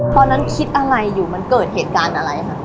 ตอนนั้นคิดอะไรอยู่มันเกิดเหตุการณ์อะไรค่ะ